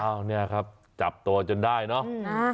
เนี่ยครับจับตัวจนได้เนอะ